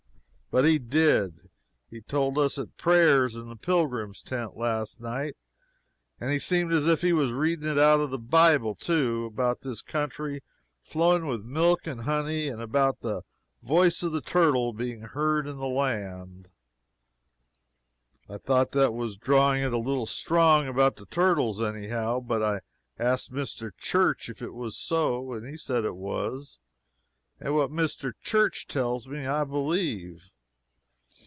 But he did; he told us at prayers in the Pilgrims' tent, last night, and he seemed as if he was reading it out of the Bible, too, about this country flowing with milk and honey, and about the voice of the turtle being heard in the land. I thought that was drawing it a little strong, about the turtles, any how, but I asked Mr. Church if it was so, and he said it was, and what Mr. Church tells me, I believe.